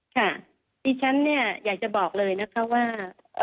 ค่ะดิฉันเนี่ยอยากจะบอกเลยนะคะว่า